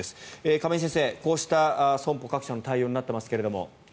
亀井先生、こうした損保各社の対応になっていますが。